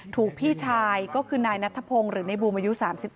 ถูกพี่ชายก็คือนายนัทพงศ์หรือในบูมอายุ๓๑